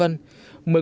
một mươi công dân